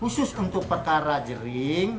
khusus untuk perkara jaring